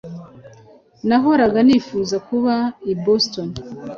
Nahoraga nifuza kuba i Boston.